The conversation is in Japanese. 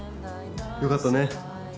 よかったね。